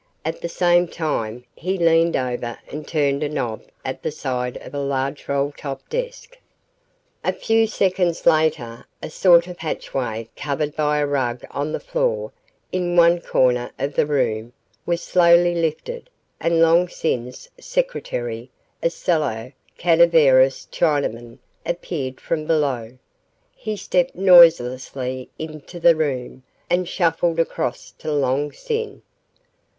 At the same time, he leaned over and turned a knob at the side of a large roll top desk. A few seconds later a sort of hatchway, covered by a rug on the floor, in one corner of the room, was slowly lifted and Long Sin's secretary, a sallow, cadaverous Chinaman, appeared from below. He stepped noiselessly into the room and shuffled across to Long Sin.